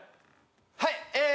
はいえー